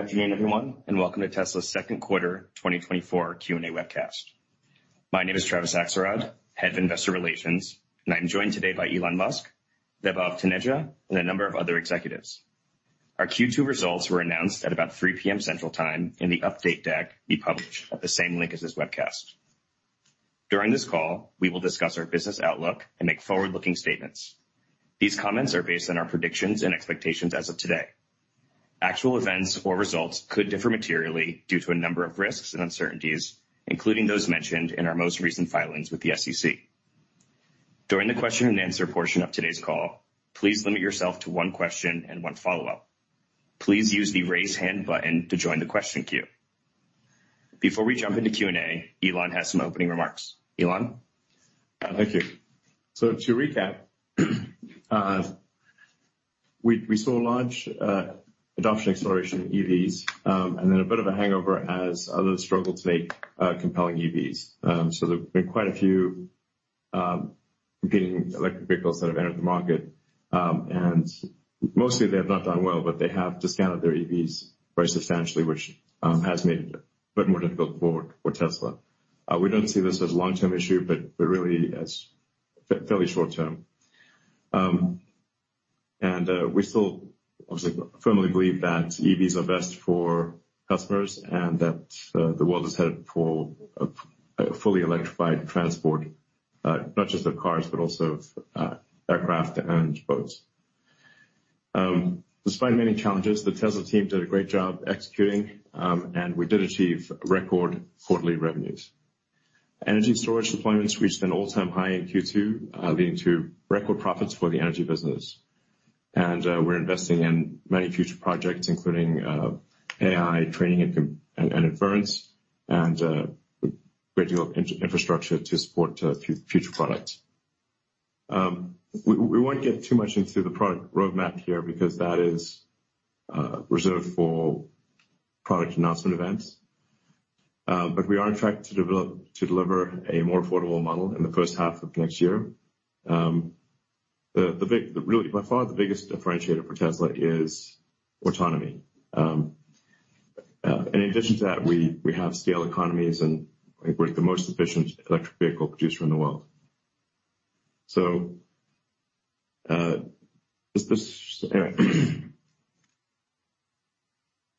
Good afternoon, everyone, and Welcome to Tesla's Second Quarter, 2024 Q&A Webcast. My name is Travis Axelrod, Head of Investor Relations, and I'm joined today by Elon Musk, Vaibhav Taneja, and a number of other executives. Our Q2 results were announced at about 3:00 P.M. Central Time, and the update deck will be published at the same link as this webcast. During this call, we will discuss our business outlook and make forward-looking statements. These comments are based on our predictions and expectations as of today. Actual events or results could differ materially due to a number of risks and uncertainties, including those mentioned in our most recent filings with the SEC. During the question and answer portion of today's call, please limit yourself to one question and one follow-up. Please use the Raise Hand button to join the question queue. Before we jump into Q&A, Elon has some opening remarks. Elon? Thank you. So to recap, we saw large adoption acceleration in EVs, and then a bit of a hangover as others struggle to make compelling EVs. So there have been quite a few competing electric vehicles that have entered the market, and mostly they have not done well, but they have discounted their EVs very substantially, which has made it a bit more difficult for Tesla. We don't see this as a long-term issue, but really as fairly short term. And we still obviously firmly believe that EVs are best for customers and that the world is headed for a fully electrified transport, not just of cars, but also aircraft and boats. Despite many challenges, the Tesla team did a great job executing, and we did achieve record quarterly revenues. Energy storage deployments reached an all-time high in Q2, leading to record profits for the energy business. We're investing in many future projects, including AI training and compute and inference, and a great deal of infrastructure to support future products. We won't get too much into the product roadmap here because that is reserved for product announcement events. But we are on track to deliver a more affordable model in the first half of next year. The big... really, by far, the biggest differentiator for Tesla is autonomy. In addition to that, we have scale economies, and we're the most efficient electric vehicle producer in the world.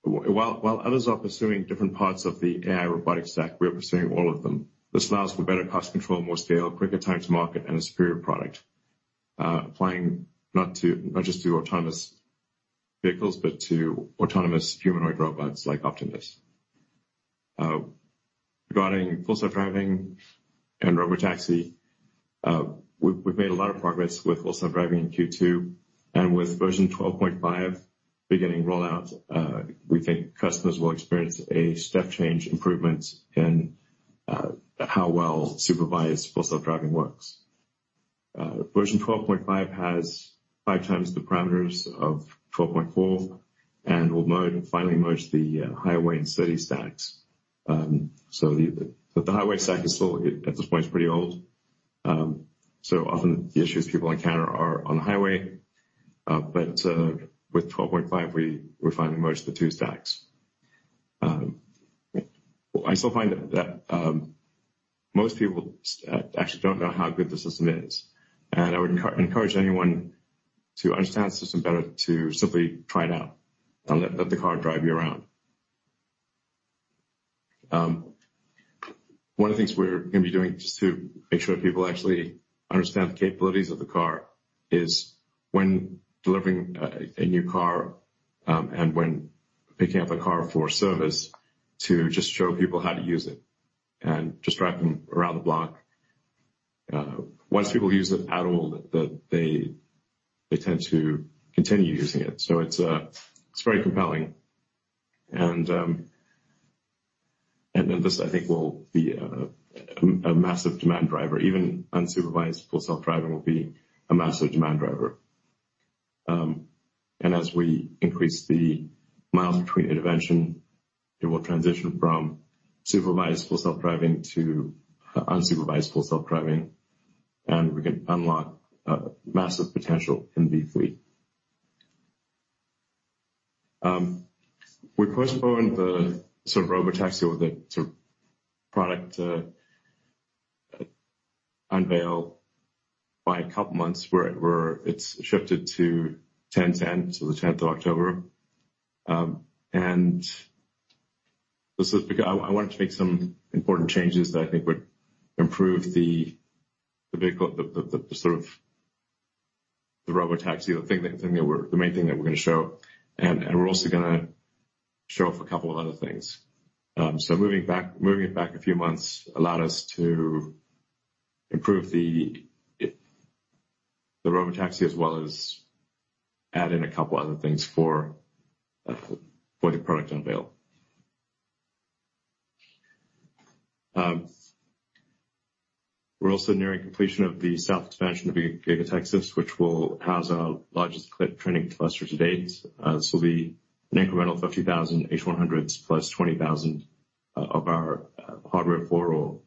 While others are pursuing different parts of the AI robotic stack, we are pursuing all of them. This allows for better cost control, more scale, quicker time to market, and a superior product, applying not to, not just to autonomous vehicles, but to autonomous humanoid robots like Optimus. Regarding Full Self-Driving and Robotaxi, we've made a lot of progress with Full Self-Driving in Q2, and with Version 12.5 beginning rollout, we think customers will experience a step change improvements in how well Supervised Full Self-Driving works. Version 12.5 has 5x the parameters of 12.4 and will merge, finally merge the highway and city stacks. So the highway stack is still, at this point, it's pretty old. So often the issues people encounter are on the highway, but with 12.5, we finally merged the two stacks. I still find that most people actually don't know how good the system is, and I would encourage anyone to understand the system better, to simply try it out and let the car drive you around. One of the things we're gonna be doing, just to make sure that people actually understand the capabilities of the car, is when delivering a new car and when picking up a car for service, to just show people how to use it and just drive them around the block. Once people use it at all, they tend to continue using it, so it's very compelling. And then this, I think, will be a massive demand driver. Even Unsupervised Full Self-Driving will be a massive demand driver. And as we increase the miles between intervention, it will transition from Supervised Full Self-Driving to Unsupervised Full Self-Driving, and we can unlock massive potential in the fleet. We postponed the sort of Robotaxi or the sort of product unveil by a couple months, where it's shifted to 10/10, so the tenth of October. And this is because I wanted to make some important changes that I think would improve the vehicle, the sort of the Robotaxi, the thing that we're the main thing that we're gonna show, and we're also gonna show off a couple of other things. So moving back, moving it back a few months allowed us to improve the Robotaxi, as well as add in a couple other things for the product unveil. We're also nearing completion of the south expansion of Giga Texas, which will house our largest clip training cluster to date. This will be an incremental 50,000 H100s, +20,000 of our Hardware 4 or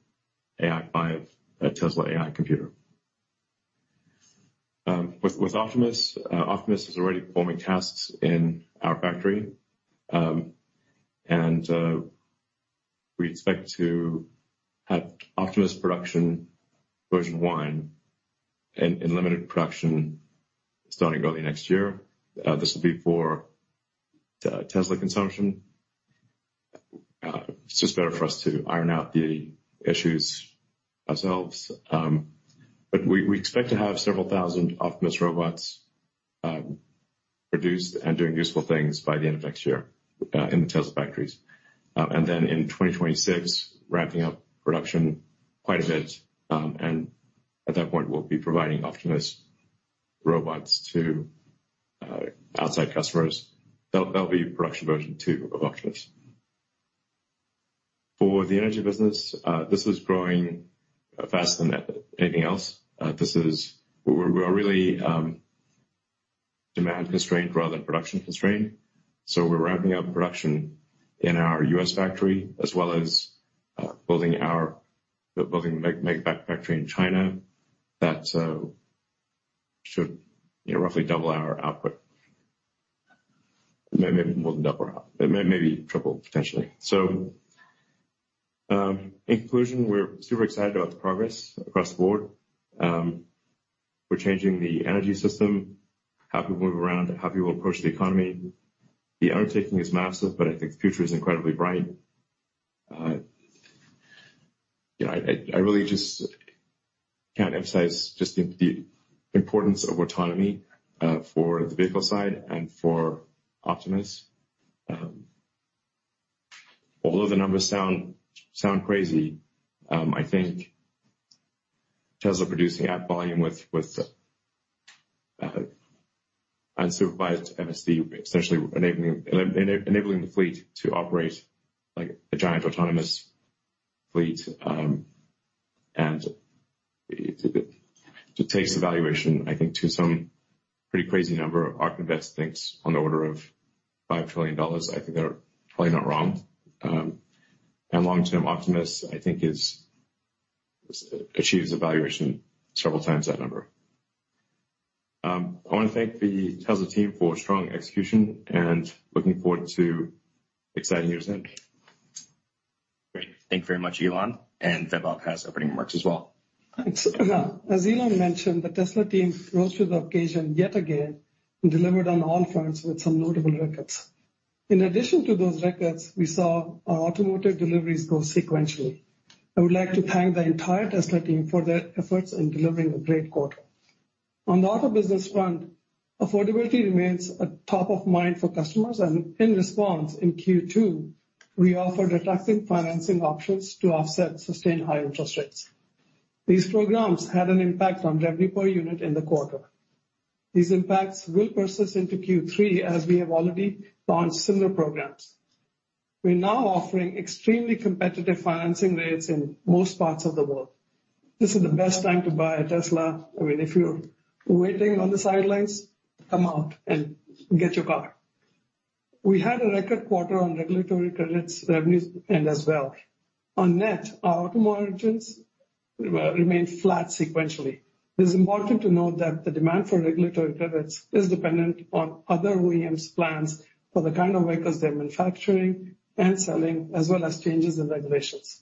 AI 5 Tesla AI computer. With Optimus, Optimus is already performing tasks in our factory. We expect to have Optimus production version one in limited production starting early next year. This will be for Tesla consumption. It's just better for us to iron out the issues ourselves. But we expect to have several thousand Optimus robots produced and doing useful things by the end of next year in the Tesla factories. And then in 2026, ramping up production quite a bit, and at that point, we'll be providing Optimus robots to outside customers. That'll, that'll be production version 2 of Optimus. For the energy business, this is growing faster than anything else. This is—we're really demand constrained rather than production constrained. So we're ramping up production in our US factory, as well as building our Megafactory in China. That should, you know, roughly double our output. Maybe more than double, maybe triple, potentially. So, in conclusion, we're super excited about the progress across the board. We're changing the energy system, how people move around, how people approach the economy. The undertaking is massive, but I think the future is incredibly bright. You know, I really just can't emphasize just the importance of autonomy for the vehicle side and for Optimus. Although the numbers sound crazy, I think Tesla producing at volume with unsupervised FSD, essentially enabling the fleet to operate like a giant autonomous fleet. And it takes the valuation, I think, to some pretty crazy number. Ark Invest thinks on the order of $5 trillion. I think they're probably not wrong. And long-term Optimus, I think, achieves a valuation several times that number. I want to thank the Tesla team for strong execution, and looking forward to exciting years ahead. Great. Thank you very much, Elon, and Vaibhav Taneja has opening remarks as well. Thanks. As Elon mentioned, the Tesla team rose to the occasion yet again and delivered on all fronts with some notable records. In addition to those records, we saw our automotive deliveries grow sequentially. I would like to thank the entire Tesla team for their efforts in delivering a great quarter. On the auto business front, affordability remains a top of mind for customers, and in response, in Q2, we offered attractive financing options to offset sustained high interest rates. These programs had an impact on revenue per unit in the quarter. These impacts will persist into Q3, as we have already launched similar programs. We're now offering extremely competitive financing rates in most parts of the world. This is the best time to buy a Tesla. I mean, if you're waiting on the sidelines, come out and get your car. We had a record quarter on regulatory credits, revenues, and as well. On net, our auto margins remained flat sequentially. It is important to note that the demand for regulatory credits is dependent on other OEMs plans for the kind of vehicles they're manufacturing and selling, as well as changes in regulations.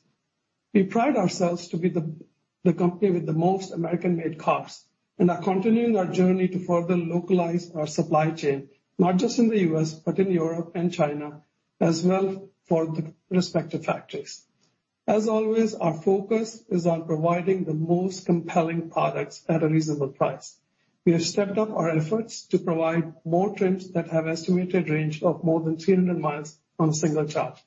We pride ourselves to be the, the company with the most American-made cars and are continuing our journey to further localize our supply chain, not just in the U.S., but in Europe and China, as well, for the respective factories. As always, our focus is on providing the most compelling products at a reasonable price. We have stepped up our efforts to provide more trims that have estimated range of more than 300 miles on a single charge.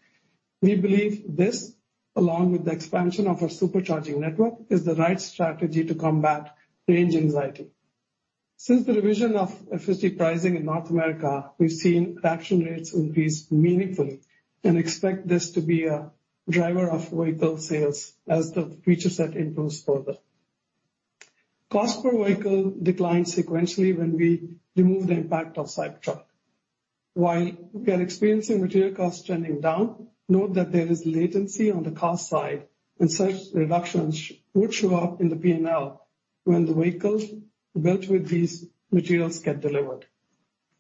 We believe this, along with the expansion of our Supercharging network, is the right strategy to combat range anxiety. Since the revision of FSD pricing in North America, we've seen adoption rates increase meaningfully and expect this to be a driver of vehicle sales as the feature set improves further. Cost per vehicle declined sequentially when we removed the impact of Cybertruck. While we are experiencing material costs trending down, note that there is latency on the cost side, and such reductions would show up in the P&L when the vehicles built with these materials get delivered.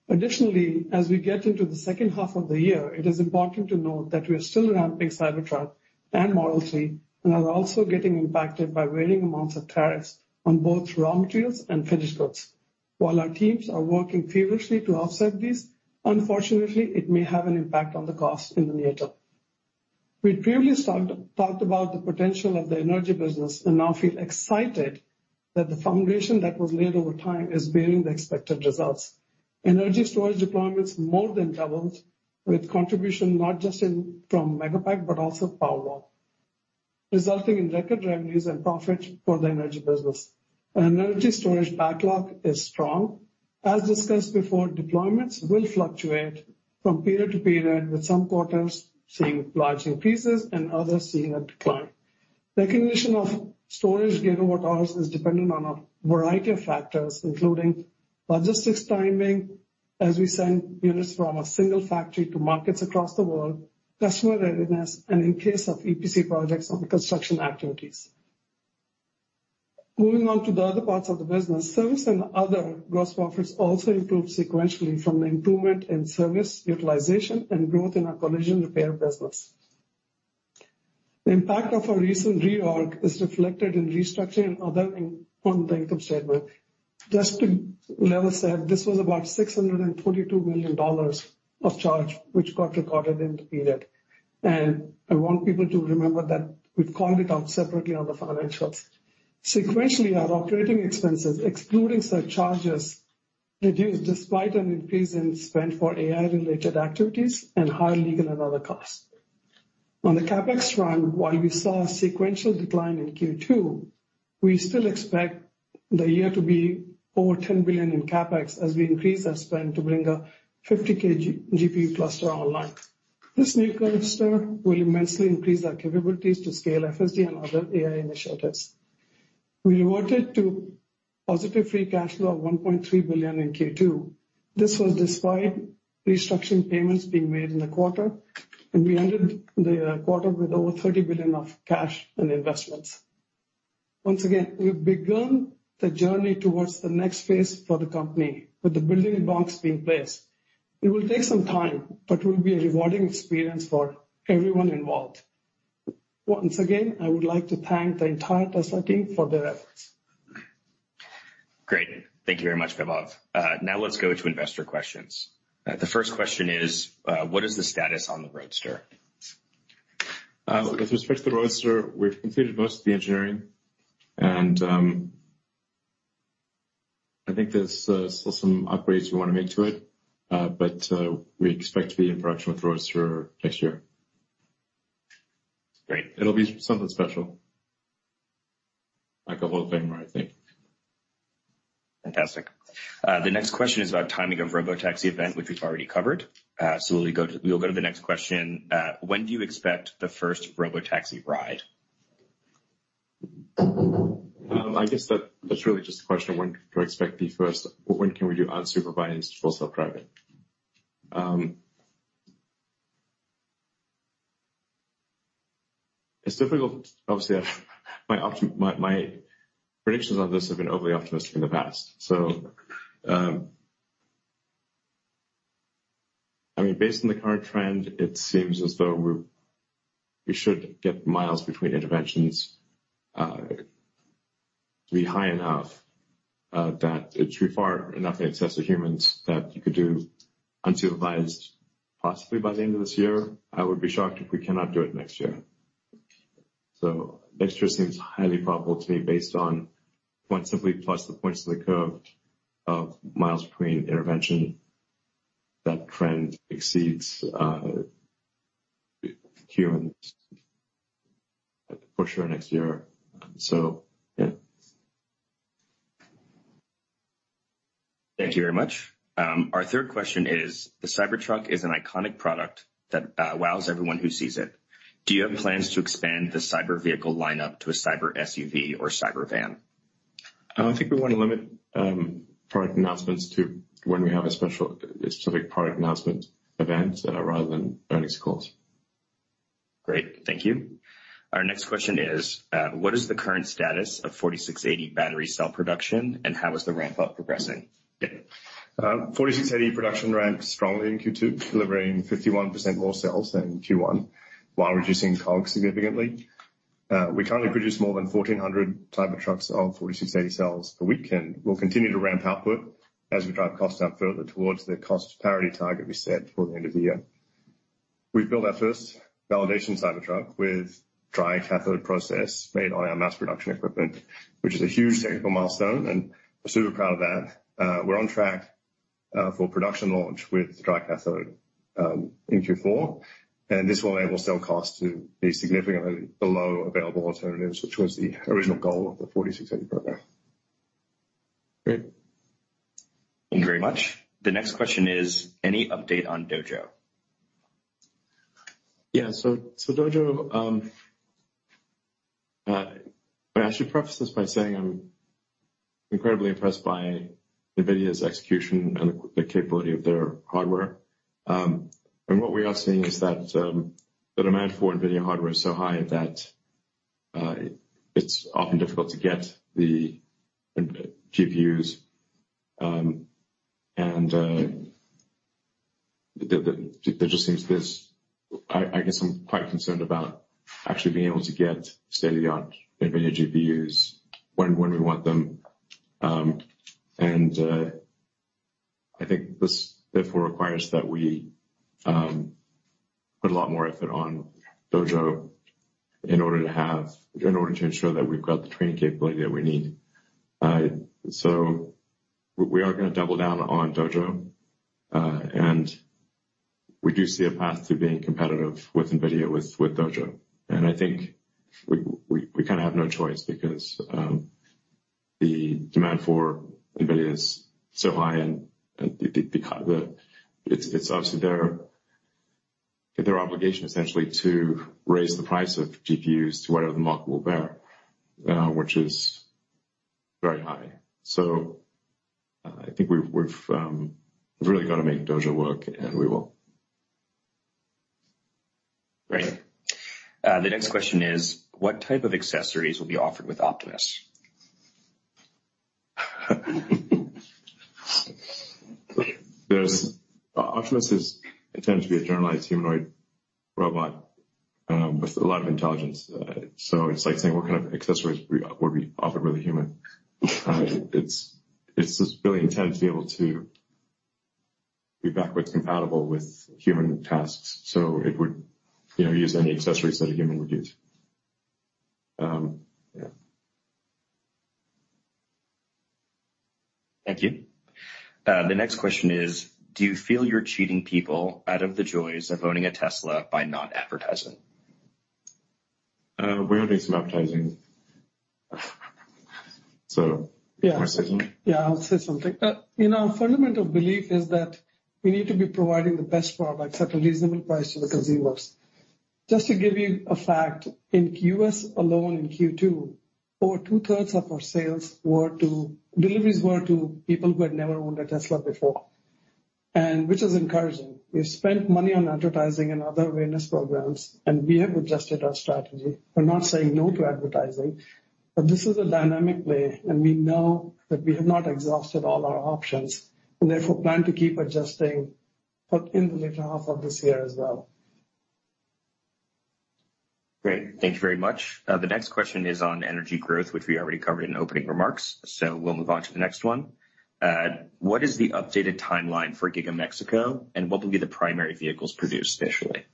Additionally, as we get into the second half of the year, it is important to note that we are still ramping Cybertruck and Model 3, and are also getting impacted by varying amounts of tariffs on both raw materials and finished goods. While our teams are working furiously to offset these, unfortunately, it may have an impact on the cost in the near term. We previously talked about the potential of the energy business and now feel excited that the foundation that was laid over time is bearing the expected results. Energy storage deployments more than doubled, with contribution not just from Megapack, but also Powerwall, resulting in record revenues and profit for the energy business. Our energy storage backlog is strong. As discussed before, deployments will fluctuate from period to period, with some quarters seeing large increases and others seeing a decline. Recognition of storage gigawatt hours is dependent on a variety of factors, including logistics, timing, as we send units from a single factory to markets across the world, customer readiness, and in case of EPC projects, on construction activities. Moving on to the other parts of the business, service and other gross profits also improved sequentially from the improvement in service utilization and growth in our collision repair business. The impact of our recent reorg is reflected in restructuring and other on the income statement. Just to level set, this was about $642 million of charge, which got recorded in the period, and I want people to remember that we've called it out separately on the financials. Sequentially, our operating expenses, excluding such charges, reduced despite an increase in spend for AI-related activities and higher legal and other costs. On the CapEx front, while we saw a sequential decline in Q2, we still expect the year to be over $10 billion in CapEx, as we increase our spend to bring a 50,000-GPU cluster online. This new cluster will immensely increase our capabilities to scale FSD and other AI initiatives. We reverted to positive free cash flow of $1.3 billion in Q2. This was despite restructuring payments being made in the quarter, and we ended the quarter with over $30 billion of cash and investments. Once again, we've begun the journey towards the next phase for the company, with the building blocks being placed. It will take some time, but it will be a rewarding experience for everyone involved. Once again, I would like to thank the entire Tesla team for their efforts. Great. Thank you very much, Vaibhav. Now let's go to investor questions. The first question is, what is the status on the Roadster? With respect to the Roadster, we've completed most of the engineering, and I think there's still some upgrades we wanna make to it, but we expect to be in production with Roadster next year. Great. It'll be something special, like the whole thing, I think. Fantastic. The next question is about timing of Robotaxi event, which we've already covered. So we'll go to the next question. When do you expect the first Robotaxi ride? I guess that's really just a question of when to expect the first—When can we do Unsupervised Full Self-Driving? It's difficult. Obviously, my predictions on this have been overly optimistic in the past. So, I mean, based on the current trend, it seems as though we should get miles between interventions to be high enough that it should be far enough in excess of humans that you could do unsupervised, possibly by the end of this year. I would be shocked if we cannot do it next year. So next year seems highly probable to me, based on one simply plus the points of the curve of miles between intervention. That trend exceeds humans for sure, next year. So, yeah. Thank you very much. Our third question is: The Cybertruck is an iconic product that wows everyone who sees it. Do you have plans to expand the Cybervehicle lineup to a CyberSUV or Cybervan? I think we want to limit product announcements to when we have a special, specific product announcement event, rather than earnings calls. Great. Thank you. Our next question is: What is the current status of 4680 battery cell production, and how is the ramp-up progressing? Yeah. 4680 production ramped strongly in Q2, delivering 51% more cells than Q1, while reducing COGS significantly. We currently produce more than 1,400 Cybertrucks of 4680 cells per week, and we'll continue to ramp output as we drive costs down further towards the cost parity target we set before the end of the year. We've built our first validation Cybertruck with dry cathode process made on our mass production equipment, which is a huge technical milestone, and we're super proud of that. We're on track for production launch with dry cathode in Q4, and this will enable cell costs to be significantly below available alternatives, which was the original goal of the 4680 program. Great. Thank you very much. The next question is: Any update on Dojo? Yeah, so Dojo, I should preface this by saying I'm incredibly impressed by NVIDIA's execution and the capability of their hardware. And what we are seeing is that the demand for NVIDIA hardware is so high that it's often difficult to get the GPUs. And there just seems this—I guess I'm quite concerned about actually being able to get state-of-the-art NVIDIA GPUs when we want them. And I think this therefore requires that we put a lot more effort on Dojo in order to have—in order to ensure that we've got the training capability that we need. So we are gonna double down on Dojo, and we do see a path to being competitive with NVIDIA, with Dojo. And I think we kind of have no choice because the demand for NVIDIA is so high, and because it's obviously their obligation essentially to raise the price of GPUs to whatever the market will bear, which is very high. So, I think we've really got to make Dojo work, and we will. Great. The next question is: What type of accessories will be offered with Optimus? Optimus is intended to be a generalized humanoid robot with a lot of intelligence. So it's like saying, what kind of accessories would we offer with a human? It's just really intended to be able to be backwards compatible with human tasks, so it would, you know, use any accessories that a human would use. Yeah. Thank you. The next question is: Do you feel you're cheating people out of the joys of owning a Tesla by not advertising? We are doing some advertising. So, yeah. Yeah, I'll say something. You know, our fundamental belief is that we need to be providing the best products at a reasonable price to the consumers. Just to give you a fact, in Q2 alone, in Q2, over two-thirds of our sales were to deliveries were to people who had never owned a Tesla before, and which is encouraging. We've spent money on advertising and other awareness programs, and we have adjusted our strategy. We're not saying no to advertising, but this is a dynamic play, and we know that we have not exhausted all our options, and therefore plan to keep adjusting for in the latter half of this year as well. Great. Thank you very much. The next question is on energy growth, which we already covered in opening remarks, so we'll move on to the next one. What is the updated timeline for Giga Mexico, and what will be the primary vehicles produced initially?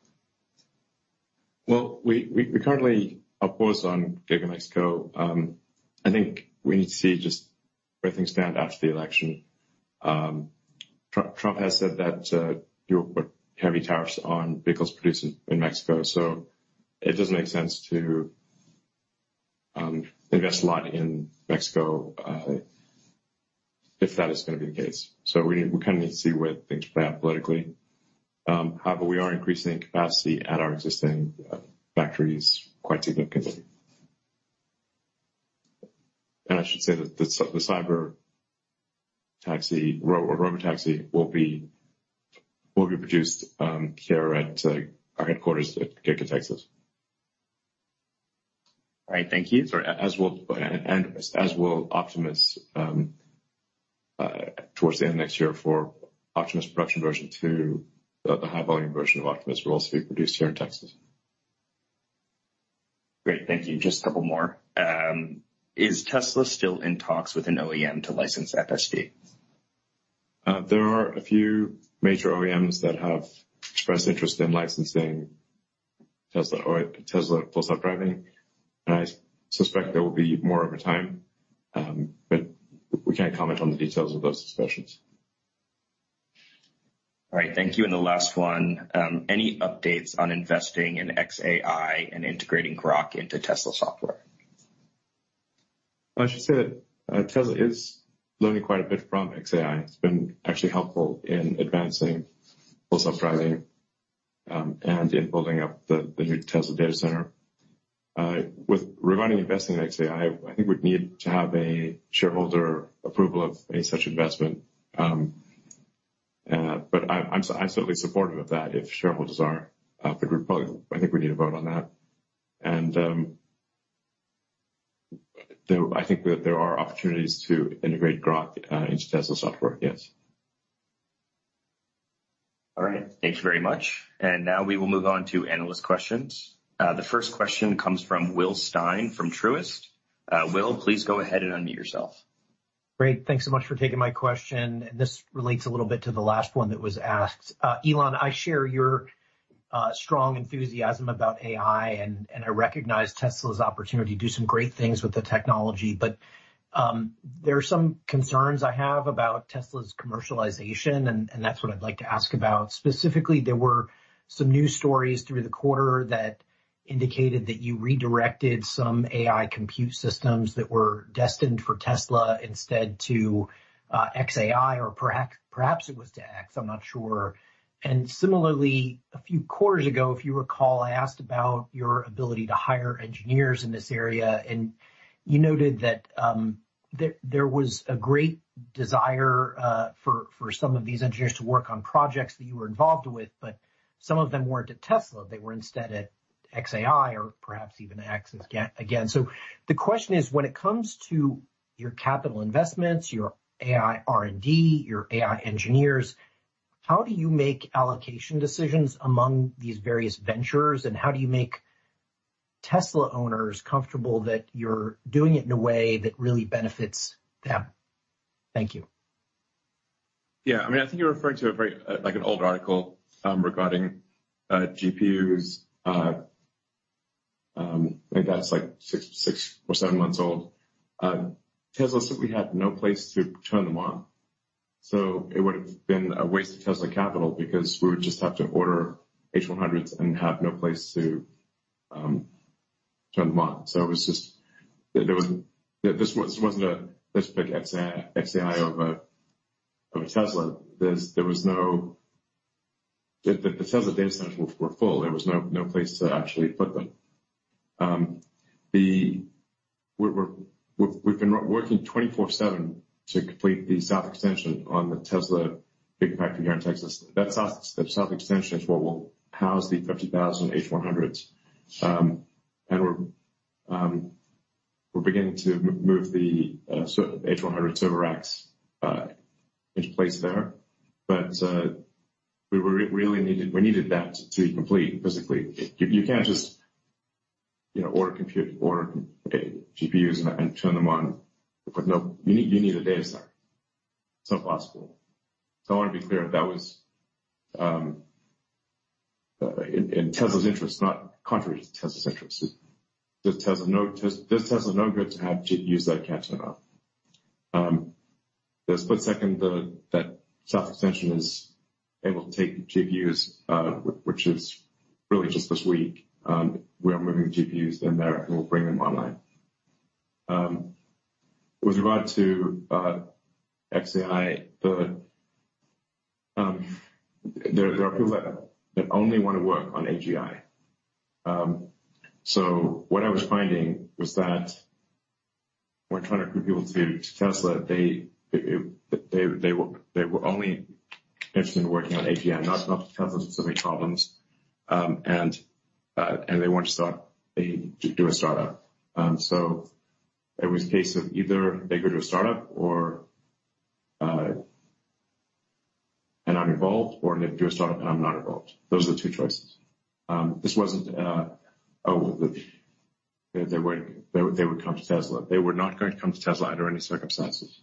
Well, we currently are paused on Giga Mexico. I think we need to see just where things stand after the election. Trump has said that he'll put heavy tariffs on vehicles produced in Mexico, so it doesn't make sense to invest a lot in Mexico if that is gonna be the case. So we kind of need to see where things play out politically. However, we are increasing capacity at our existing factories quite significantly. And I should say that the Robotaxi will be produced here at our headquarters at Giga Texas. All right, thank you. Sorry, as will Optimus, towards the end of next year for Optimus production version two, the high-volume version of Optimus will also be produced here in Texas. Great, thank you. Just a couple more. Is Tesla still in talks with an OEM to license FSD? There are a few major OEMs that have expressed interest in licensing Tesla or Tesla Full Self-Driving, and I suspect there will be more over time. But we can't comment on the details of those discussions. All right, thank you. And the last one: Any updates on investing in xAI and integrating Grok into Tesla software? I should say that, Tesla is learning quite a bit from xAI. It's been actually helpful in advancing Full Self-Driving, and in building up the, the new Tesla data center. With regarding investing in xAI, I think we'd need to have a shareholder approval of any such investment. But I'm, I'm certainly supportive of that if shareholders are, the group, probably I think we need a vote on that. And, there—I think that there are opportunities to integrate Grok, into Tesla software. Yes. All right. Thank you very much. Now we will move on to analyst questions. The first question comes from Will Stein, from Truist. Will, please go ahead and unmute yourself. Great. Thanks so much for taking my question. This relates a little bit to the last one that was asked. Elon, I share your strong enthusiasm about AI, and, and I recognize Tesla's opportunity to do some great things with the technology. But, there are some concerns I have about Tesla's commercialization, and, and that's what I'd like to ask about. Specifically, there were some news stories through the quarter that indicated that you redirected some AI compute systems that were destined for Tesla instead to xAI, or perhaps, perhaps it was to X, I'm not sure. And similarly, a few quarters ago, if you recall, I asked about your ability to hire engineers in this area, and you noted that there was a great desire for some of these engineers to work on projects that you were involved with, but some of them weren't at Tesla. They were instead at xAI or perhaps even X again. So the question is, when it comes to your capital investments, your AI R&D, your AI engineers, how do you make allocation decisions among these various ventures? And how do you make Tesla owners comfortable that you're doing it in a way that really benefits them? Thank you. Yeah, I mean, I think you're referring to a very, like, an old article regarding GPUs. I think that's, like, 6 or 7 months old. Tesla simply had no place to turn them on, so it would've been a waste of Tesla capital because we would just have to order H100s and have no place to turn them on. So it was just... There was this wasn't a, let's pick xAI, xAI over of a Tesla, there's, there was no the, the Tesla data centers were full. There was no place to actually put them. We're, we've been working 24/7 to complete the south extension on the Tesla Gigafactory here in Texas. That south, the south extension is what will house the 50,000 H100s. And we're beginning to move the H100 server racks into place there. But we really needed that to be complete, physically. You can't just, you know, order compute, order GPUs and turn them on with no—you need a data center. It's not possible. So I want to be clear, that was in Tesla's interest, not contrary to Tesla's interest. Does Tesla know good to have GPUs that can't turn off? The split second that south extension is able to take GPUs, which is really just this week, we are moving the GPUs in there, and we'll bring them online. With regard to xAI, there are people that only want to work on AGI. What I was finding was that when trying to recruit people to Tesla, they were only interested in working on AGI, not Tesla-specific problems. They wanted to do a start-up. It was a case of either they go to a start-up and I'm involved, or they do a start-up and I'm not involved. Those are the two choices. This wasn't, oh, they weren't, they would come to Tesla. They were not going to come to Tesla under any circumstances.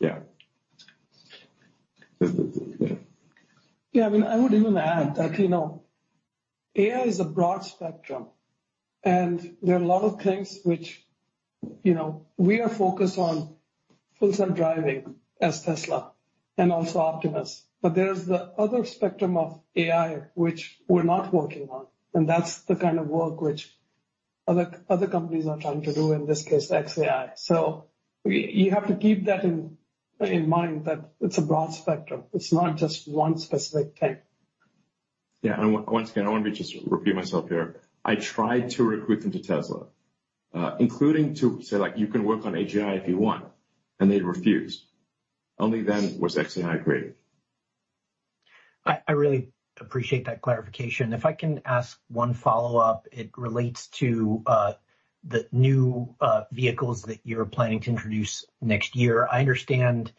Yeah. Yeah, I mean, I would even add that, you know, AI is a broad spectrum, and there are a lot of things which, you know, we are focused on Full Self-Driving as Tesla and also Optimus, but there's the other spectrum of AI, which we're not working on, and that's the kind of work which other companies are trying to do, in this case, xAI. So you have to keep that in mind that it's a broad spectrum. It's not just one specific thing. Yeah, and once again, I want to just repeat myself here. I tried to recruit them to Tesla, including to say, like, "You can work on AGI if you want," and they refused. Only then was xAI created. I really appreciate that clarification. If I can ask one follow-up, it relates to the new vehicles that you're planning to introduce next year. I understand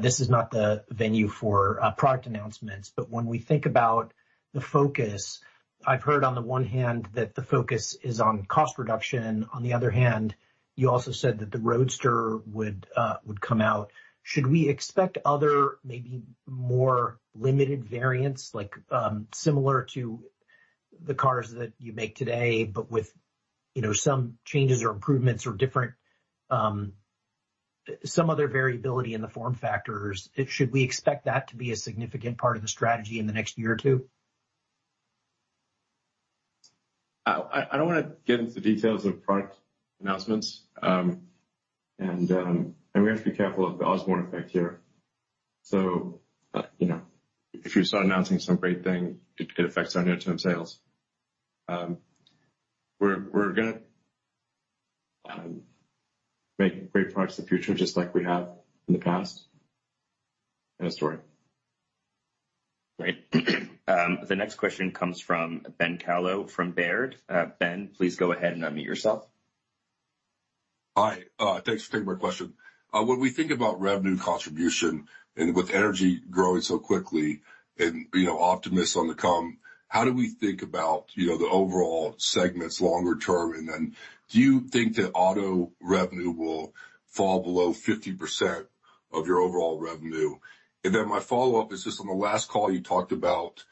this is not the venue for product announcements, but when we think about the focus, I've heard on the one hand, that the focus is on cost reduction. On the other hand, you also said that the Roadster would would come out. Should we expect other, maybe more limited variants, like similar to the cars that you make today, but with, you know, some changes or improvements or different some other variability in the form factors? Should we expect that to be a significant part of the strategy in the next year or two? I don't want to get into the details of product announcements. We have to be careful of the Osborne effect here. So, you know, if you start announcing some great thing, it affects our near-term sales. We're gonna make great products in the future, just like we have in the past. End of story. Great. The next question comes from Ben Kallo from Baird. Ben, please go ahead and unmute yourself. Hi, thanks for taking my question. When we think about revenue contribution and with energy growing so quickly and, you know, Optimus on the come, how do we think about, you know, the overall segments longer term? And then do you think that auto revenue will fall below 50% of your overall revenue? And then my follow-up is just on the last call, you talked about,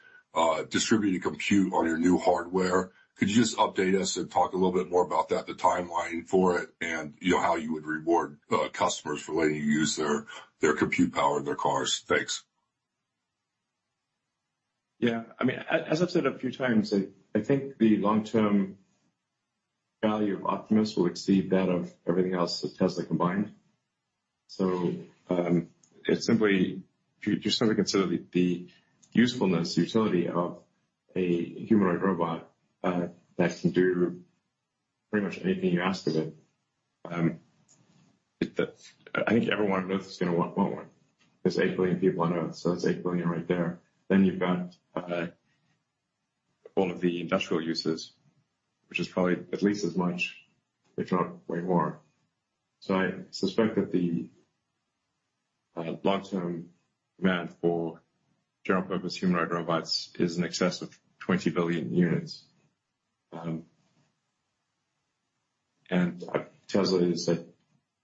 distributed compute on your new hardware. Could you just update us and talk a little bit more about that, the timeline for it, and, you know, how you would reward, customers for letting you use their, their compute power, their cars? Thanks. Yeah. I mean, as I've said a few times, I think the long-term value of Optimus will exceed that of everything else that Tesla combined. So, it's simply—if you just simply consider the usefulness, the utility of a humanoid robot, that can do pretty much anything you ask of it, I think everyone on Earth is gonna want one. There's 8 billion people on Earth, so that's 8 billion right there. Then you've got all of the industrial uses, which is probably at least as much, if not way more. So I suspect that the long-term demand for general purpose humanoid robots is in excess of 20 billion units. And Tesla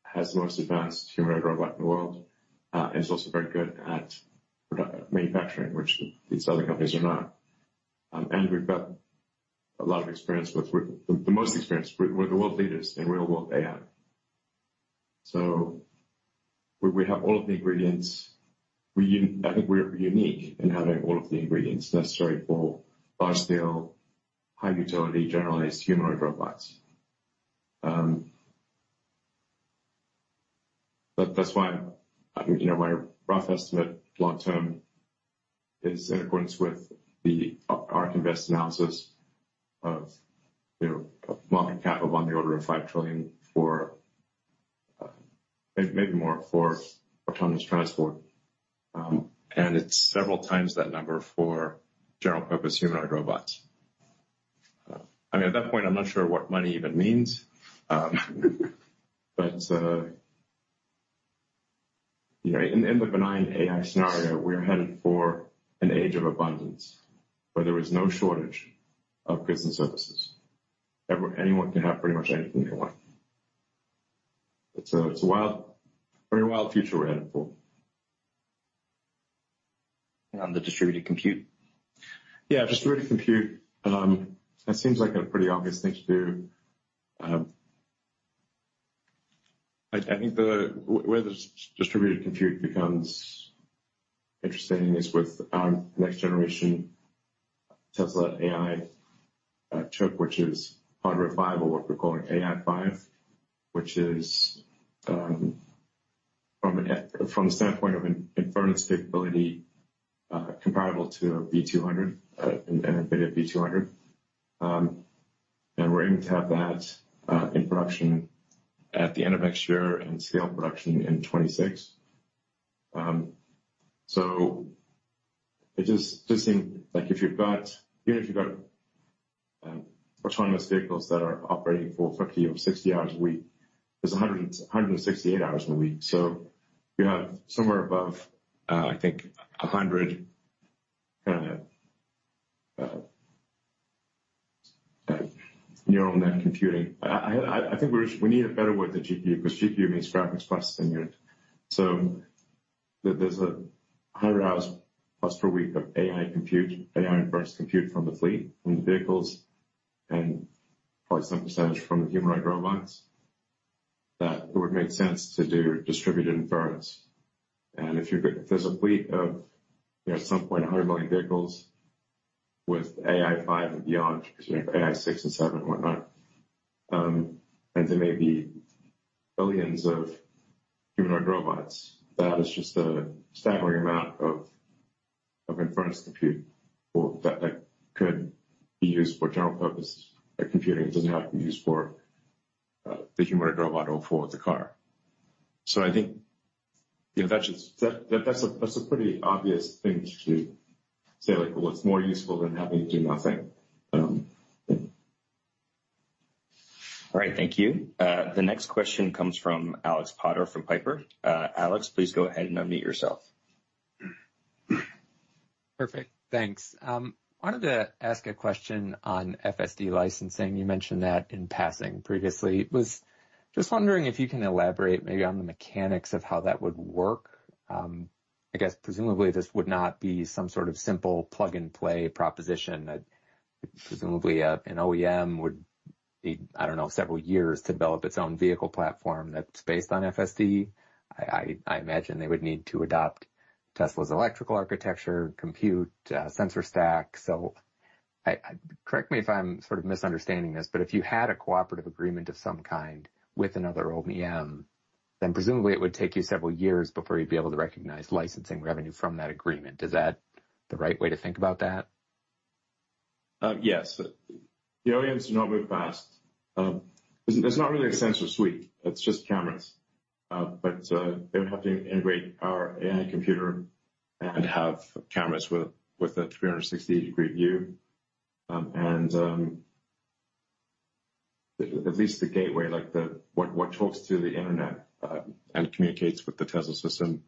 has the most advanced humanoid robot in the world, and is also very good at product manufacturing, which these other companies are not. And we've got a lot of experience with... We're the most experienced. We're the world leaders in real-world AI. So we have all of the ingredients. I think we're unique in having all of the ingredients necessary for large-scale, high utility, generalized humanoid robots. But that's why, I think, you know, my rough estimate, long term, is in accordance with the Ark Invest analysis of, you know, a market cap of on the order of $5 trillion for, maybe more for autonomous transport. And it's several times that number for general purpose humanoid robots. I mean, at that point, I'm not sure what money even means, but, you know, in the benign AI scenario, we're headed for an age of abundance, where there is no shortage of goods and services. Everyone can have pretty much anything they want. It's a wild, very wild future we're headed for. The distributed compute? Yeah, distributed compute, that seems like a pretty obvious thing to do. I think where the distributed compute becomes interesting is with our next generation Tesla AI chip, which is AI 5, or what we're calling AI 5, which is from the standpoint of an inference capability comparable to an H200, an NVIDIA H200. And we're aiming to have that in production at the end of next year and scale production in 2026. So it just seems like if you've got even if you've got autonomous vehicles that are operating for 50 or 60 hours a week, there's 168 hours in a week, so you have somewhere above, I think, 100 neural net computing. I think we need a better word than GPU, because GPU means graphics processing unit. So there's higher hours per week of AI compute, AI inference compute from the fleet, from the vehicles, and probably some percentage from the humanoid robots, that it would make sense to do distributed inference. And if you've got a fleet of, you know, at some point, 100 million vehicles with AI 5 and beyond, you know, AI 6 and 7 and whatnot, and there may be billions of humanoid robots, that is just a staggering amount of inference compute that could be used for general purpose, like, computing. It doesn't have to be used for the humanoid robot or for the car. So I think, you know, that's just a pretty obvious thing to say, like, well, it's more useful than having it do nothing. All right. Thank you. The next question comes from Alex Potter from Piper. Alex, please go ahead and unmute yourself. Perfect. Thanks. Wanted to ask a question on FSD licensing. You mentioned that in passing previously. Was just wondering if you can elaborate maybe on the mechanics of how that would work. I guess, presumably, this would not be some sort of simple plug-and-play proposition that presumably, an OEM would need, I don't know, several years to develop its own vehicle platform that's based on FSD. I imagine they would need to adopt Tesla's electrical architecture, compute, sensor stack. So I... Correct me if I'm sort of misunderstanding this, but if you had a cooperative agreement of some kind with another OEM, then presumably it would take you several years before you'd be able to recognize licensing revenue from that agreement. Is that the right way to think about that? Yes. The OEMs do not move fast. There's not really a sensor suite, it's just cameras. But they would have to integrate our AI computer and have cameras with a 360-degree view. And at least the gateway, like the what talks to the internet and communicates with the Tesla system,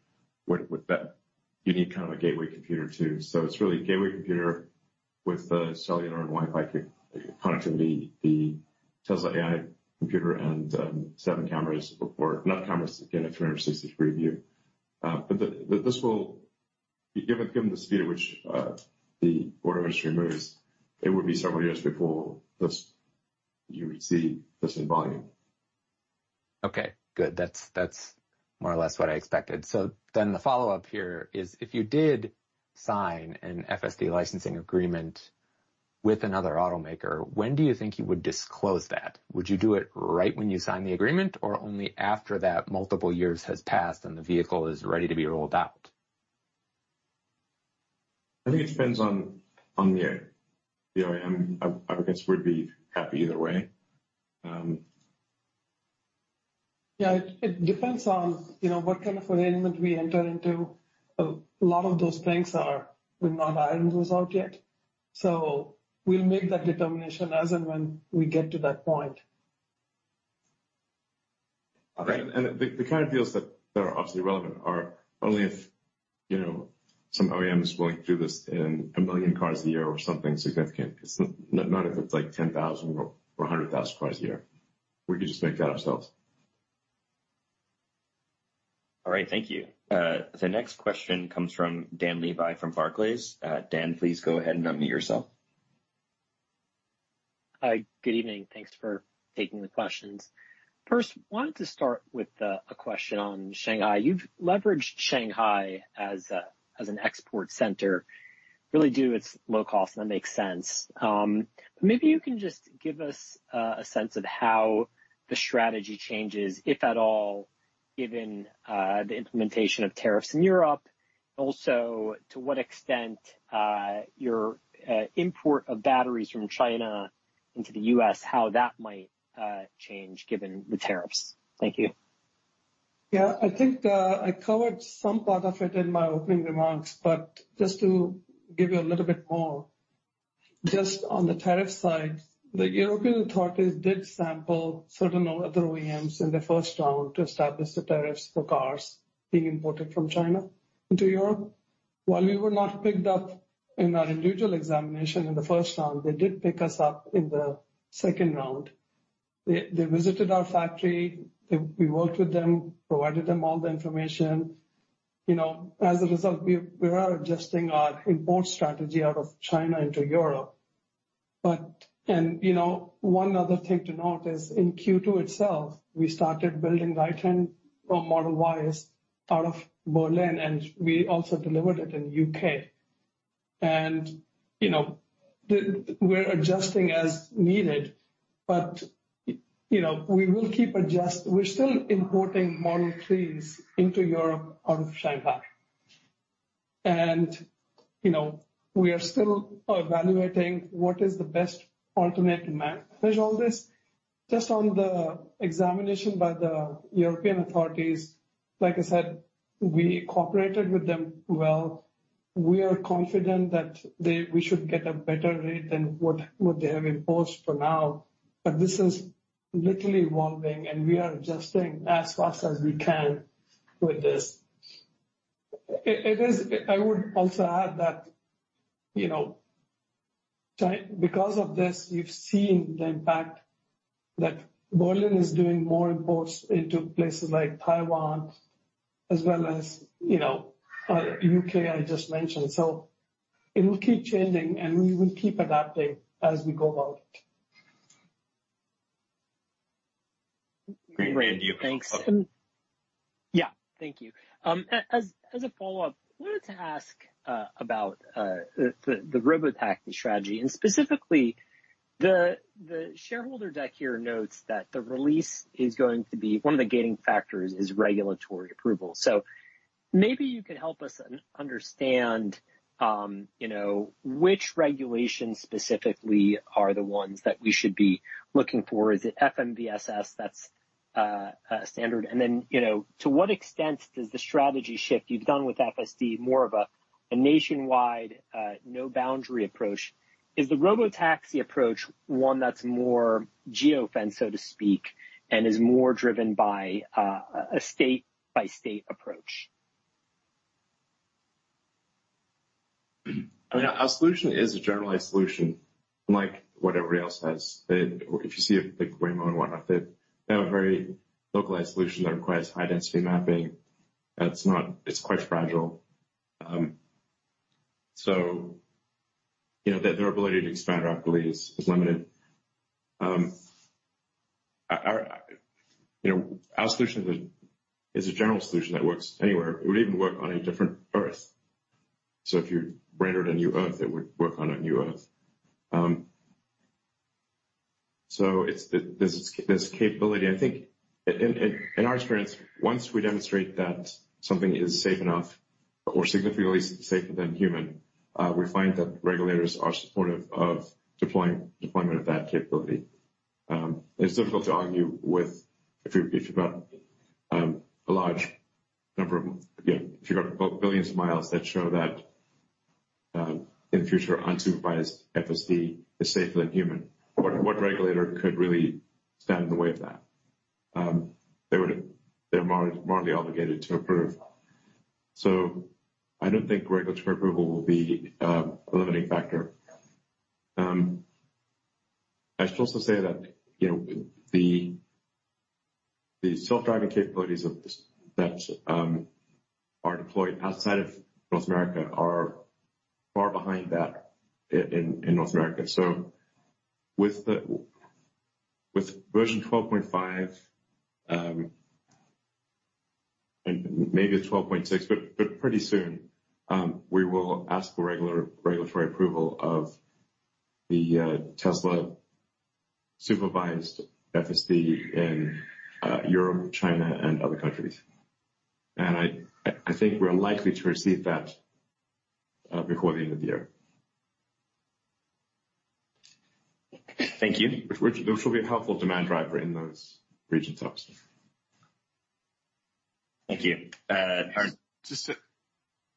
with that, you need kind of a gateway computer, too. So it's really a gateway computer with the cellular and Wi-Fi connectivity, the Tesla AI computer, and seven cameras or not cameras, again, a 360-degree view. But this will be given the speed at which the auto industry moves, it would be several years before this you would see this in volume. Okay, good. That's, that's more or less what I expected. So then the follow-up here is, if you did sign an FSD licensing agreement with another automaker, when do you think you would disclose that? Would you do it right when you sign the agreement, or only after that multiple years has passed and the vehicle is ready to be rolled out? I think it depends on the OEM. I guess we'd be happy either way. Yeah, it depends on, you know, what kind of arrangement we enter into. A lot of those things are not ironed out yet. So we'll make that determination as and when we get to that point. All right. The kind of deals that are obviously relevant are only if, you know, some OEM is willing to do this in 1 million cars a year or something significant. It's not if it's, like, 10,000 or 100,000 cars a year. We could just make that ourselves. All right. Thank you. The next question comes from Dan Levy, from Barclays. Dan, please go ahead and unmute yourself.... Hi, good evening. Thanks for taking the questions. First, wanted to start with a question on Shanghai. You've leveraged Shanghai as a, as an export center, really due to its low cost, and that makes sense. Maybe you can just give us a sense of how the strategy changes, if at all, given the implementation of tariffs in Europe. Also, to what extent your import of batteries from China into the U.S., how that might change given the tariffs? Thank you. Yeah, I think, I covered some part of it in my opening remarks, but just to give you a little bit more, just on the tariff side, the European authorities did sample certain other OEMs in the first round to establish the tariffs for cars being imported from China into Europe. While we were not picked up in our individual examination in the first round, they did pick us up in the second round. They visited our factory. We worked with them, provided them all the information. You know, as a result, we are adjusting our import strategy out of China into Europe. But, you know, one other thing to note is in Q2 itself, we started building right-hand Model Ys out of Berlin, and we also delivered it in UK. You know, we're adjusting as needed, but, you know, we will keep. We're still importing Model 3s into Europe out of Shanghai. You know, we are still evaluating what is the best alternate to manage all this. Just on the examination by the European authorities, like I said, we cooperated with them well. We are confident that we should get a better rate than what, what they have imposed for now. But this is literally evolving, and we are adjusting as fast as we can with this. I would also add that, you know, because of this, we've seen the impact that Berlin is doing more imports into places like Taiwan as well as, you know, UK, I just mentioned. So it will keep changing, and we will keep adapting as we go about it. Great. Thank you. Yeah, thank you. As a follow-up, wanted to ask about the Robotaxi strategy, and specifically, the shareholder deck here notes that the release is going to be one of the gating factors is regulatory approval. So maybe you could help us understand, you know, which regulations specifically are the ones that we should be looking for. Is it FMVSS, that's a standard? And then, you know, to what extent does the strategy shift you've done with FSD, more of a nationwide no boundary approach? Is the Robotaxi approach one that's more geofenced, so to speak, and is more driven by a state-by-state approach? I mean, our solution is a generalized solution, unlike what everybody else has. If you see, like, Waymo and whatnot, they have a very localized solution that requires high-density mapping, and it's not—it's quite fragile. So, you know, their ability to expand rapidly is limited. Our, you know, our solution is a general solution that works anywhere. It would even work on a different Earth. So if you rendered a new Earth, it would work on a new Earth. So there's capability. I think, in our experience, once we demonstrate that something is safe enough or significantly safer than human, we find that regulators are supportive of deployment of that capability. It's difficult to argue with if you've got a large number of, you know, billions of miles that show that in the future unsupervised FSD is safer than human. What regulator could really stand in the way of that? They would. They're morally obligated to approve. So I don't think regulatory approval will be a limiting factor. I should also say that, you know, the self-driving capabilities of this that are deployed outside of North America are far behind that in North America. So with Version 12.5 and maybe it's 12.6, but pretty soon, we will ask for regulatory approval of the Tesla supervised FSD in Europe, China, and other countries. And I think we're likely to receive that before the end of the year. Thank you. Which will be a helpful demand driver in those regions obviously. Thank you. Just to add to that, Travis,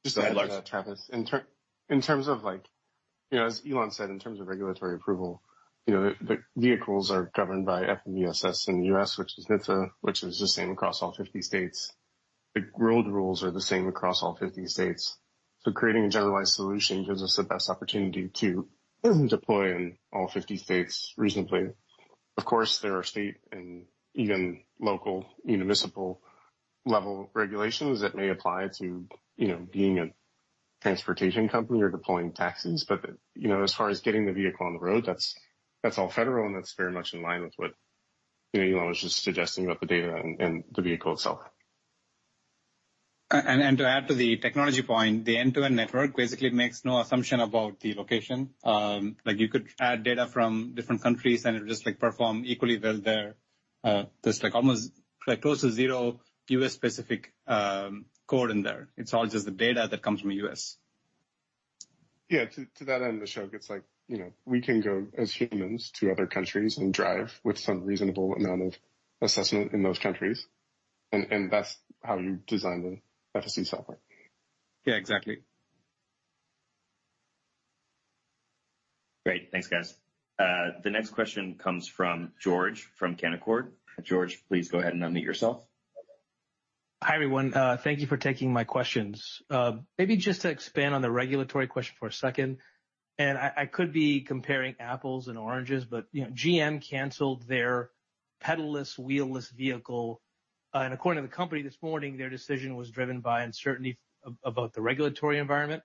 in terms of like, you know, as Elon said, in terms of regulatory approval, you know, the vehicles are governed by FMVSS in the U.S., which is NHTSA, which is the same across all 50 states. The world rules are the same across all 50 states. So creating a generalized solution gives us the best opportunity to deploy in all 50 states reasonably. Of course, there are state and even local municipal level regulations that may apply to, you know, being a transportation company or deploying taxis. But, you know, as far as getting the vehicle on the road, that's all federal, and that's very much in line with what, you know, Elon was just suggesting about the data and the vehicle itself. And to add to the technology point, the end-to-end network basically makes no assumption about the location. Like, you could add data from different countries, and it'll just, like, perform equally well there. There's, like, almost, like, close to zero U.S. specific code in there. It's all just the data that comes from the U.S. Yeah, to that end of the show, it's like, you know, we can go as humans to other countries and drive with some reasonable amount of assessment in those countries, and that's how you design the FSD software. Yeah, exactly. Great. Thanks, guys. The next question comes from George from Canaccord. George, please go ahead and unmute yourself. Hi, everyone. Thank you for taking my questions. Maybe just to expand on the regulatory question for a second, and I, I could be comparing apples and oranges, but, you know, GM canceled their pedal-less, wheel-less vehicle, and according to the company this morning, their decision was driven by uncertainty about the regulatory environment.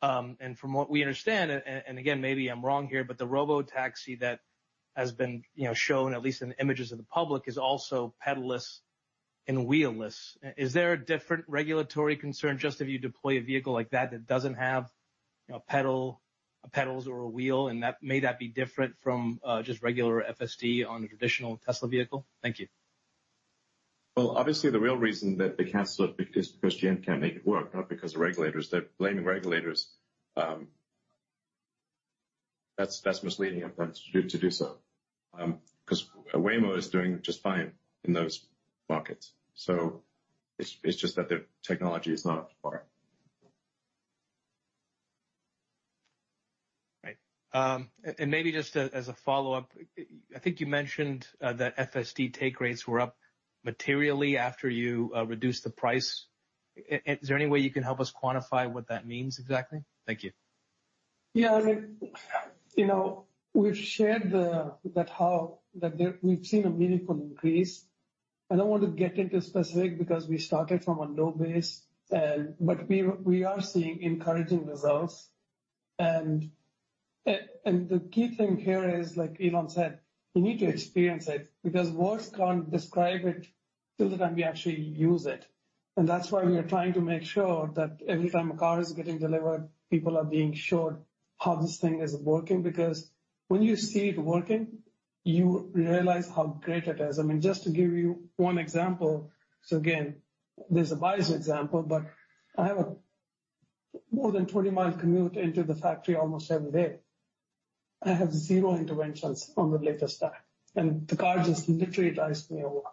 From what we understand, and again, maybe I'm wrong here, but the Robotaxi that has been, you know, shown at least in images of the public, is also pedal-less and wheel-less. Is there a different regulatory concern, just if you deploy a vehicle like that, that doesn't have, you know, a pedal, pedals or a wheel, and that may that be different from, just regular FSD on a traditional Tesla vehicle? Thank you. Well, obviously the real reason that they canceled it is because GM can't make it work, not because of regulators. They're blaming regulators, that's misleading of them to do so. 'Cause Waymo is doing just fine in those markets, so it's just that their technology is not up to par. Right. And maybe just as a follow-up, I think you mentioned that FSD take rates were up materially after you reduced the price. Is there any way you can help us quantify what that means exactly? Thank you. Yeah, I mean, you know, we've shared that the... We've seen a meaningful increase. I don't want to get into specific because we started from a low base, but we are seeing encouraging results. And the key thing here is, like Elon said, you need to experience it, because words can't describe it till the time you actually use it. And that's why we are trying to make sure that every time a car is getting delivered, people are being showed how this thing is working. Because when you see it working, you realize how great it is. I mean, just to give you one example, so again, there's a bias example, but I have a more than 20-mile commute into the factory almost every day. I have zero interventions on the latest stack, and the car just literally drives me over.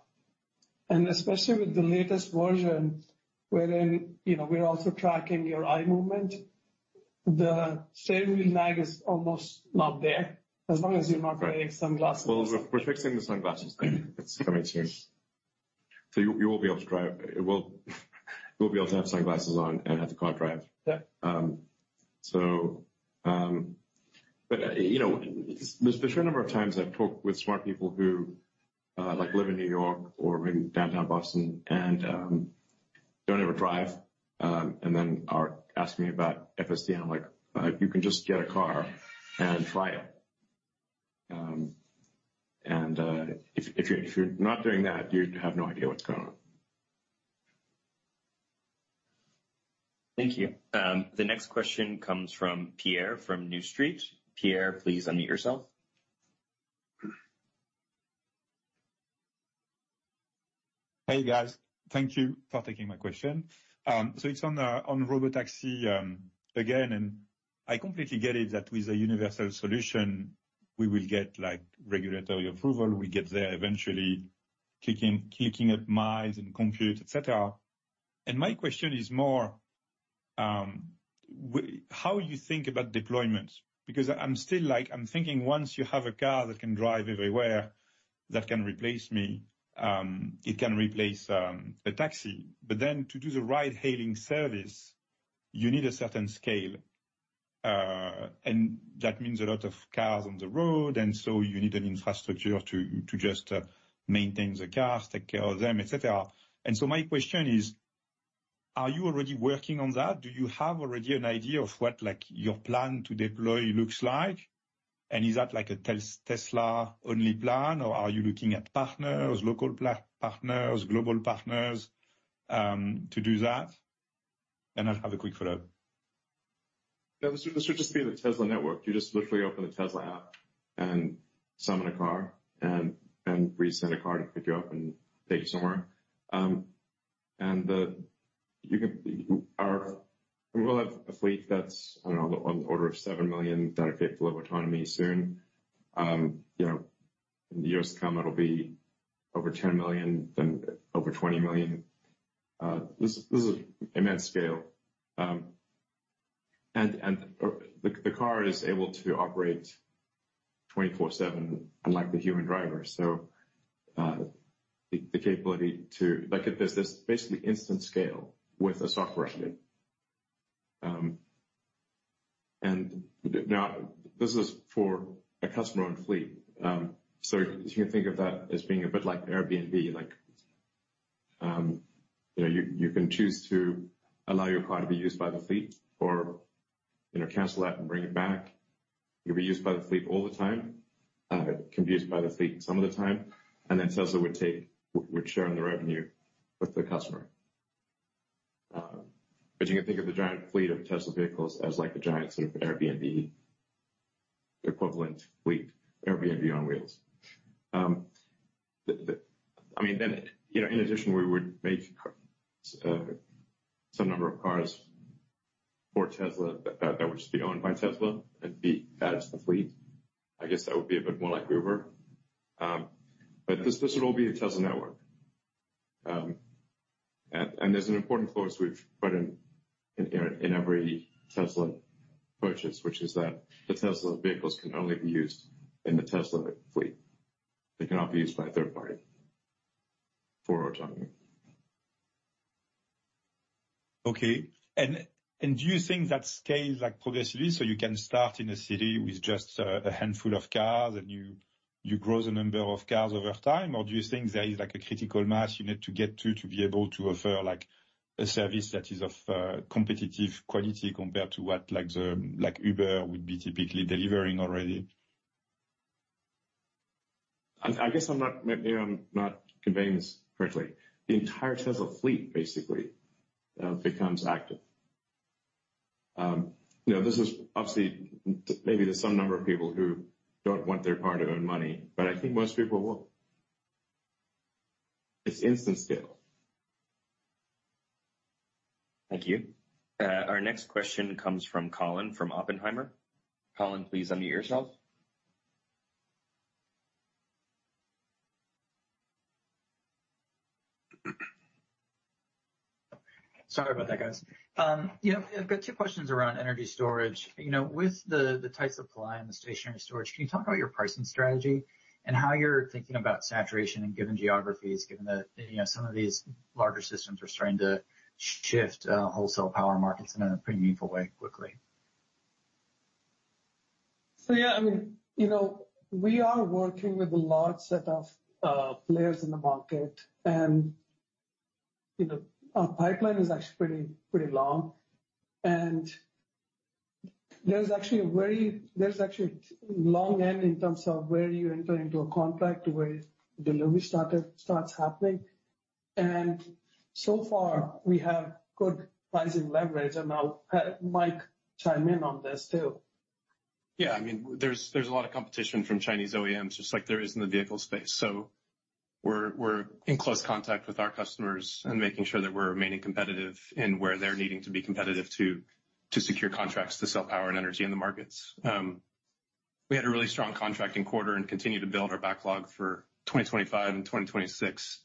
Especially with the latest version, wherein, you know, we're also tracking your eye movement, the steering wheel lag is almost not there, as long as you're not wearing sunglasses. Well, we're fixing the sunglasses thing. It's coming soon. So you will be able to drive... You'll be able to have sunglasses on and have the car drive. Yeah. You know, there's a fair number of times I've talked with smart people who, like, live in New York or maybe downtown Boston and don't ever drive and then are asking me about FSD, and I'm like, "You can just get a car and try it." And if you're not doing that, you have no idea what's going on. Thank you. The next question comes from Pierre, from New Street. Pierre, please unmute yourself. Hey, guys. Thank you for taking my question. So it's on Robotaxi again, and I completely get it that with a universal solution, we will get, like, regulatory approval, we get there eventually, clicking, clicking up miles and compute, et cetera. And my question is more, how you think about deployment, because I'm still, like, I'm thinking once you have a car that can drive everywhere, that can replace me, it can replace a taxi. But then to do the ride-hailing service, you need a certain scale, and that means a lot of cars on the road, and so you need an infrastructure to just maintain the cars, take care of them, et cetera. And so my question is: Are you already working on that? Do you have already an idea of what, like, your plan to deploy looks like? And is that like a Tesla-only plan, or are you looking at partners, local partners, global partners, to do that? And I'll have a quick follow-up. Yeah, this would just be the Tesla network. You just literally open the Tesla app and summon a car, and we send a car to pick you up and take you somewhere. We'll have a fleet that's, I don't know, on the order of 7 million that are capable of autonomy soon. You know, in the years to come, it'll be over 10 million, then over 20 million. This is immense scale. The car is able to operate 24/7, unlike the human driver. There's basically instant scale with a software update. Now, this is for a customer-owned fleet. So you can think of that as being a bit like Airbnb, like, you know, you, you can choose to allow your car to be used by the fleet or, you know, cancel that and bring it back. It'll be used by the fleet all the time, can be used by the fleet some of the time, and then Tesla would share in the revenue with the customer. But you can think of the giant fleet of Tesla vehicles as like a giant sort of Airbnb equivalent fleet, Airbnb on wheels. I mean, then, you know, in addition, we would make some number of cars for Tesla that would just be owned by Tesla and be that as the fleet. I guess that would be a bit more like Uber. But this would all be a Tesla network. There's an important clause we've put in every Tesla purchase, which is that the Tesla vehicles can only be used in the Tesla fleet. They cannot be used by a third party for autonomy. Okay. Do you think that scales, like, progressively, so you can start in a city with just a handful of cars, and you grow the number of cars over time? Or do you think there is, like, a critical mass you need to get to, to be able to offer, like, a service that is of competitive quality compared to what, like, the, like, Uber would be typically delivering already? I guess I'm not conveying this correctly. The entire Tesla fleet basically becomes active. You know, this is obviously, maybe there's some number of people who don't want their car to own money, but I think most people will. It's instant scale. Thank you. Our next question comes from Colin from Oppenheimer. Colin, please unmute yourself. Sorry about that, guys. You know, I've got two questions around energy storage. You know, with the tight supply and the stationary storage, can you talk about your pricing strategy and how you're thinking about saturation and given geographies, given that, you know, some of these larger systems are starting to shift wholesale power markets in a pretty meaningful way quickly? So, yeah, I mean, you know, we are working with a large set of players in the market, and, you know, our pipeline is actually pretty, pretty long. And there's actually a long end in terms of where you enter into a contract, where delivery starts happening. And so far, we have good pricing leverage, and I'll have Mike chime in on this, too. Yeah, I mean, there's a lot of competition from Chinese OEMs, just like there is in the vehicle space. So we're in close contact with our customers and making sure that we're remaining competitive in where they're needing to be competitive to secure contracts, to sell power and energy in the markets. We had a really strong contracting quarter and continued to build our backlog for 2025 and 2026.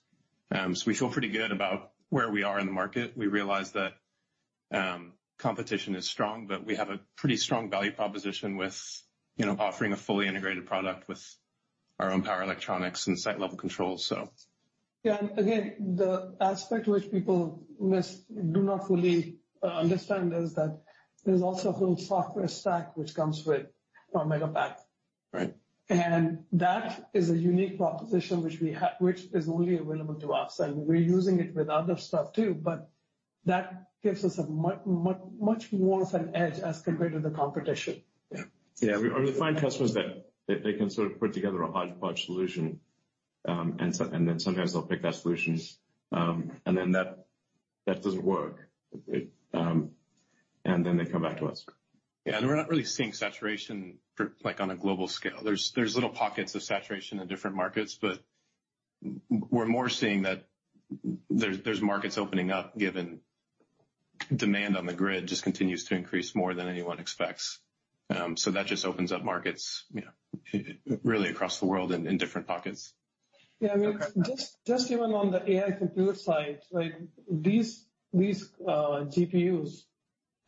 So we feel pretty good about where we are in the market. We realize that competition is strong, but we have a pretty strong value proposition with, you know, offering a fully integrated product with our own power electronics and site level controls, so. Yeah, and again, the aspect which people miss, do not fully understand, is that there's also a whole software stack which comes with our Megapack. Right. That is a unique proposition which we have, which is only available to us, and we're using it with other stuff, too, but that gives us a much more of an edge as compared to the competition. Yeah. Yeah, we find customers that they can sort of put together a hodgepodge solution, and then sometimes they'll pick our solutions, and then that doesn't work. It... And then they come back to us. Yeah, and we're not really seeing saturation for, like, on a global scale. There's little pockets of saturation in different markets, but we're more seeing that there's markets opening up, given demand on the grid just continues to increase more than anyone expects. So that just opens up markets, you know, really across the world in different pockets. Yeah, I mean, just, just even on the AI computer side, like, these, these, GPUs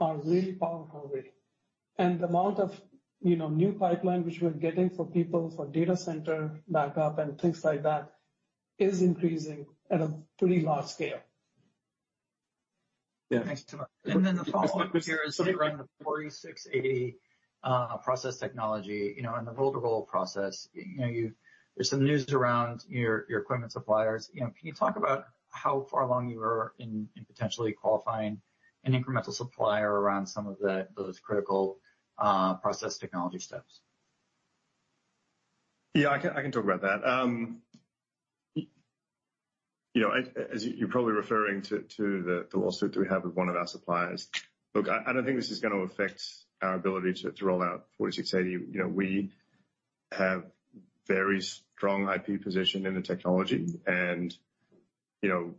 are really power hungry. And the amount of, you know, new pipeline which we're getting for people, for data center backup and things like that, is increasing at a pretty large scale. Yeah. Thanks so much. Then the following here is around the 4680 process technology, you know, and the roll-to-roll process. You know, there's some news around your equipment suppliers. You know, can you talk about how far along you are in potentially qualifying an incremental supplier around some of those critical process technology steps? Yeah, I can, I can talk about that. You know, as you're probably referring to the lawsuit that we have with one of our suppliers. Look, I don't think this is gonna affect our ability to roll out 4680. You know, we have very strong IP position in the technology and, you know,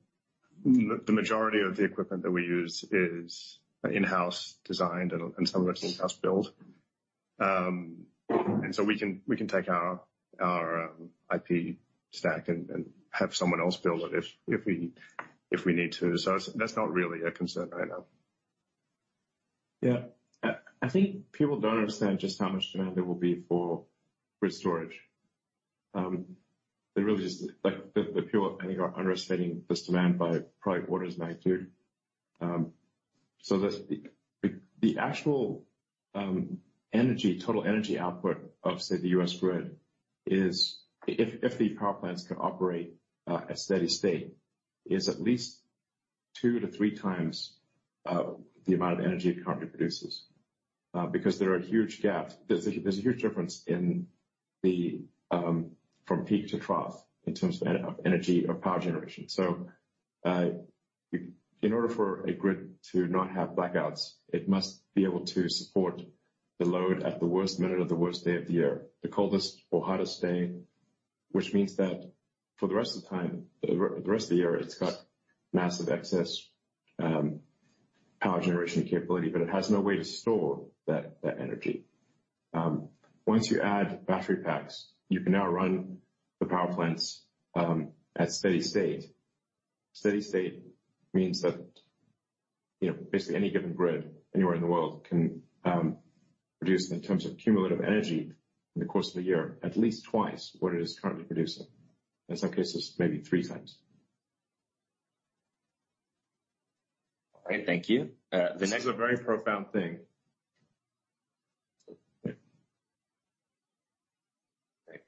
the majority of the equipment that we use is in-house designed and some of it's in-house built. And so we can take our IP stack and have someone else build it if we need to. So that's not really a concern right now. Yeah. I think people don't understand just how much demand there will be for grid storage. There really is, like, the people, I think, are underestimating this demand by probably orders of magnitude. So the actual energy, total energy output of, say, the US grid is, if the power plants can operate at steady state, is at least 2-3x the amount of energy it currently produces. Because there are huge gaps. There's a huge difference in the from peak to trough in terms of energy or power generation. So, in order for a grid to not have blackouts, it must be able to support the load at the worst minute of the worst day of the year, the coldest or hottest day, which means that for the rest of the time, the rest of the year, it's got massive excess power generation capability, but it has no way to store that energy. Once you add battery packs, you can now run the power plants at steady state. Steady state means that, you know, basically any given grid anywhere in the world can produce in terms of cumulative energy in the course of a year, at least twice what it is currently producing. In some cases, maybe 3x. All right, thank you. The next- This is a very profound thing. Great.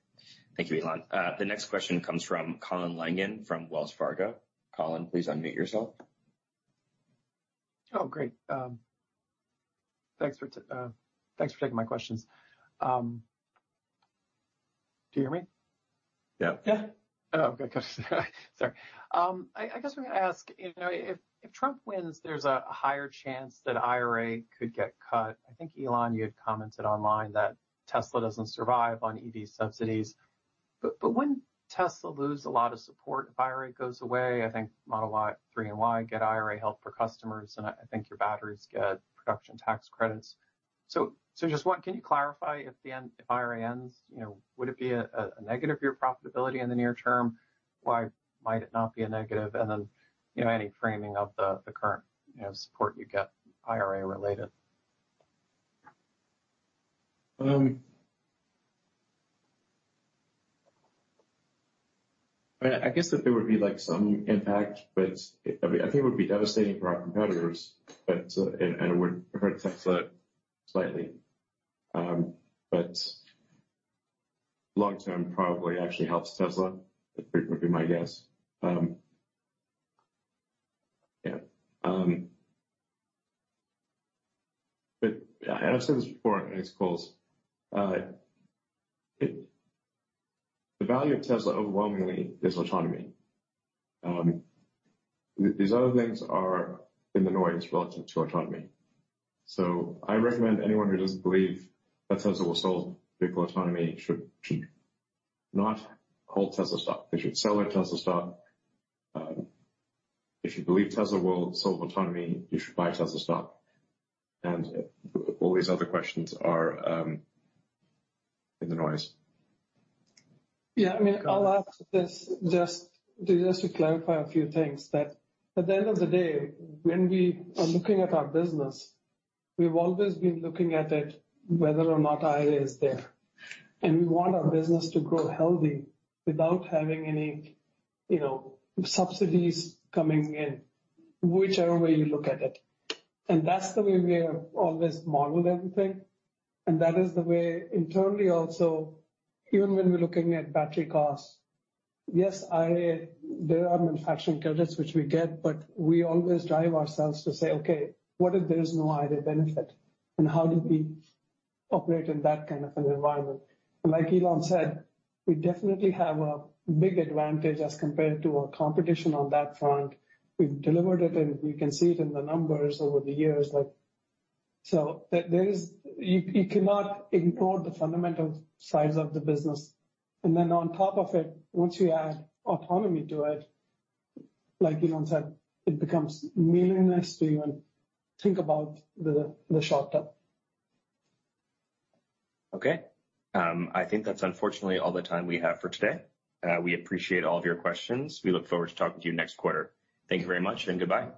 Thank you, Elon. The next question comes from Colin Langan from Wells Fargo. Colin, please unmute yourself. Oh, great. Thanks for taking my questions. Do you hear me? Yeah. Yeah. Oh, good. Sorry. I, I guess I'm going to ask, you know, if, if Trump wins, there's a, a higher chance that IRA could get cut. I think, Elon, you had commented online that Tesla doesn't survive on EV subsidies, but, but wouldn't Tesla lose a lot of support if IRA goes away? I think Model Y, 3 and Y get IRA help for customers, and I, I think your batteries get production tax credits. So, so just what-- can you clarify if the end, if IRA ends, you know, would it be a, a negative for your profitability in the near term? Why might it not be a negative? And then, you know, any framing of the, the current, you know, support you get IRA related. I mean, I guess that there would be, like, some impact, but, I mean, I think it would be devastating for our competitors, but, and it would hurt Tesla slightly. But long term, probably actually helps Tesla, would be my guess. Yeah. But I've said this before in these calls, the value of Tesla overwhelmingly is autonomy. These other things are in the noise relative to autonomy. So I recommend anyone who doesn't believe that Tesla will solve vehicle autonomy should not hold Tesla stock. They should sell their Tesla stock. If you believe Tesla will solve autonomy, you should buy Tesla stock, and all these other questions are in the noise. Yeah, I mean, I'll add to this just to clarify a few things, that at the end of the day, when we are looking at our business, we've always been looking at it whether or not IRA is there. And we want our business to grow healthy without having any, you know, subsidies coming in, whichever way you look at it. And that's the way we have always modeled everything, and that is the way internally also, even when we're looking at battery costs. Yes, IRA, there are manufacturing credits, which we get, but we always drive ourselves to say, "Okay, what if there is no IRA benefit, and how do we operate in that kind of an environment?" And like Elon said, we definitely have a big advantage as compared to our competition on that front. We've delivered it, and you can see it in the numbers over the years. Like, so there is... You cannot ignore the fundamental sides of the business. And then on top of it, once you add autonomy to it, like Elon said, it becomes meaningless to even think about the short term. Okay. I think that's unfortunately all the time we have for today. We appreciate all of your questions. We look forward to talking to you next quarter. Thank you very much, and goodbye.